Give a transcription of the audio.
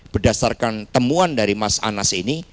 berdasarkan temuan dari mas anas ini